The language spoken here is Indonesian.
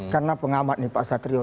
karena pengamat nih pak satrio